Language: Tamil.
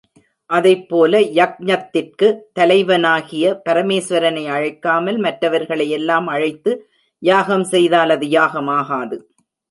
அதைப்போல யக்ஞத்திற்குத் தலைவனாகிய பரமேசுவரனை அழைக்காமல் மற்றவர்களை எல்லாம் அழைத்து யாகம் செய்தால் அது யாகம் ஆகாது.